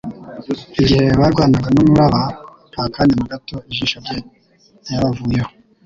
igihe barwanaga n'umuraba. Nta kanya na gato ijisho rye ryabavuyeho.